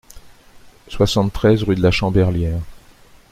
soixante-treize rue de la Chamberlière